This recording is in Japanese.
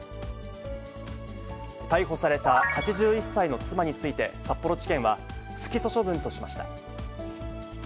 逮捕された８１歳の妻について、札幌地検は、不起訴処分としました。